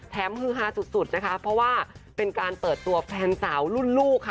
ฮือฮาสุดนะคะเพราะว่าเป็นการเปิดตัวแฟนสาวรุ่นลูกค่ะ